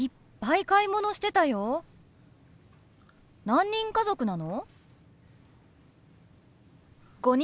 何人家族なの？